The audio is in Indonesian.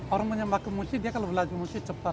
orang punya bakat musik dia kalau belajar musik cepat